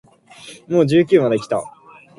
He was very uncomfortable.